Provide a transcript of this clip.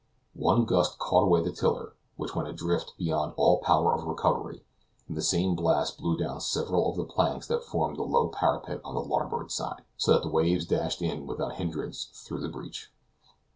One gust caught away the tiller, which went adrift beyond all power of recovery, and the same blast blew down several of the planks that formed the low parapet on the larboard side, so that the waves dashed in without hindrance through the breach.